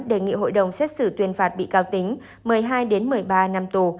đề nghị hội đồng xét xử tuyên phạt bị cáo tính một mươi hai một mươi ba năm tù